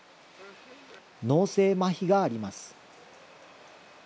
脳性まひがあります。